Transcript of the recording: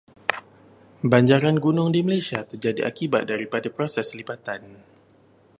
Banjaran gunung di Malaysia terjadi akibat daripada proses lipatan.